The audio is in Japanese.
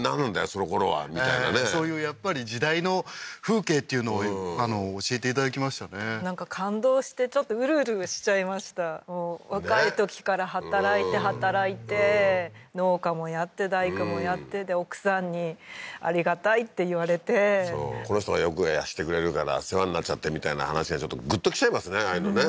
そのころはみたいなねそういうやっぱり時代の風景っていうのを教えていただきましたねなんか感動してちょっとウルウルしちゃいました若いときから働いて働いて農家もやって大工もやってで奥さんにありがたいって言われてそうこの人がよくしてくれるから世話になっちゃってみたいな話がグッときちゃいますねああいうのね